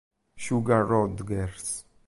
Sugar Rodgers